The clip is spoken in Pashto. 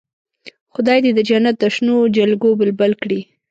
خدای دې د جنت د شنو جلګو بلبل کړي.